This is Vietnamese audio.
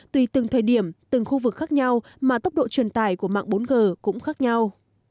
tùy từng thời điểm từng khu vực khác nhau mà tốc độ truyền tải của mạng bốn g cũng khác nhau